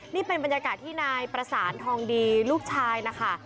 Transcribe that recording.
นี่เป็นบรรยากาศที่นายประสานทองดีลูกชายนะคะ